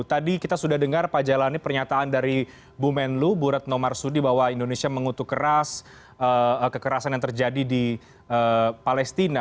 tadi kita sudah dengar pak jailani pernyataan dari bumenlu burat nomar sudi bahwa indonesia mengutuk keras kekerasan yang terjadi di palestina